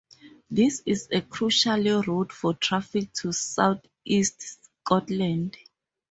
This is a crucial route for traffic to south-east Scotland.